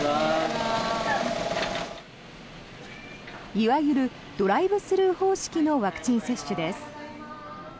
いわゆるドライブスルー方式のワクチン接種です。